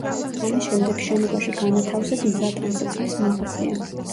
ამის შემდეგ შენობაში განათავსეს მზა ტანსაცმლის მაღაზია.